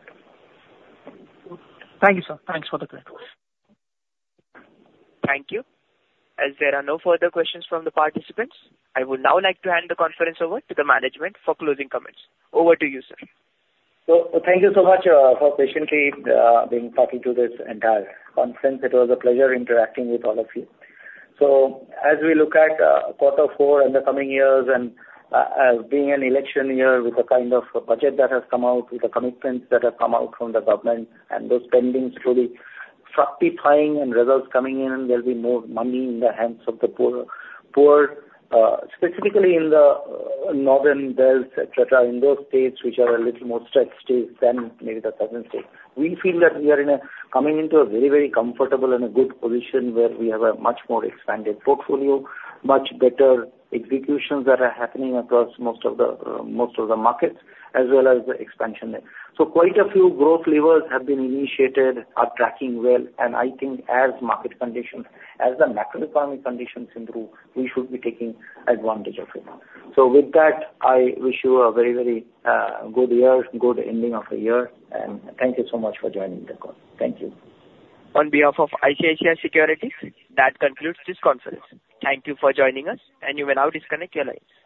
Thank you, sir. Thanks for the clarity. Thank you. As there are no further questions from the participants, I would now like to hand the conference over to the management for closing comments. Over to you, sir. Thank you so much for patiently being party to this entire conference. It was a pleasure interacting with all of you. As we look at Q4 in the coming years and being an election year with the kind of budget that has come out, with the commitments that have come out from the government and those spendings really fructifying and results coming in, there'll be more money in the hands of the poor, poor, specifically in the northern belts, et cetera, in those states which are a little more stretched states than maybe the southern states. We feel that we are in a coming into a very, very comfortable and a good position where we have a much more expanded portfolio, much better executions that are happening across most of the markets, as well as the expansion there. So quite a few growth levers have been initiated, are tracking well, and I think as market conditions, as the macroeconomic conditions improve, we should be taking advantage of it. So with that, I wish you a very, very good year, good ending of the year, and thank you so much for joining the call. Thank you. On behalf of ICICI Securities, that concludes this conference. Thank you for joining us, and you may now disconnect your line.